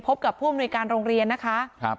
พบกับผู้อำนวยการโรงเรียนนะคะ